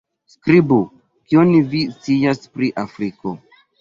Skribu: Kion vi scias pri Afriko?